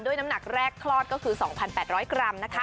น้ำหนักแรกคลอดก็คือ๒๘๐๐กรัมนะคะ